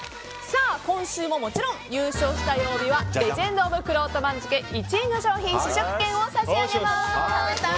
今週ももちろん優勝した曜日はレジェンド・オブ・くろうと番付１位の商品試食券を差し上げます。